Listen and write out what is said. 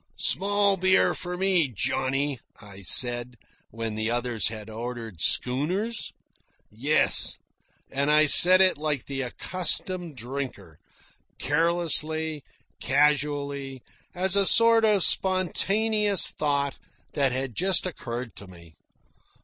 "Small beer for me, Johnny," I said, when the others had ordered schooners. Yes, and I said it like the accustomed drinker, carelessly, casually, as a sort of spontaneous thought that had just occurred to me.